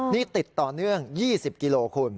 นี่ติดต่อเนื่อง๒๐กิโลคุณ